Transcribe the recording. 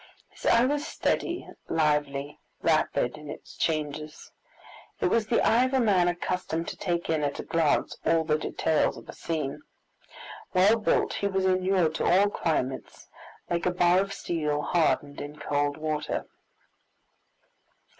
His eye was steady, lively, rapid in its changes. It was the eye of a man accustomed to take in at a glance all the details of a scene. Well built, he was inured to all climates, like a bar of steel hardened in cold water.